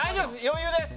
余裕です。